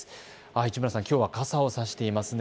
市村さん、きょうは傘を差していますね。